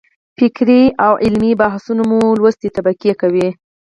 فکري او علمي بحثونه مو لوستې طبقې کوي.